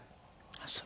あっそう。